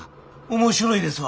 面白いですわ。